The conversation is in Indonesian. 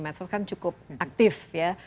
medsos kan cukup aktif ya